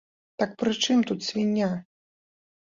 Так пры чым тут свіння?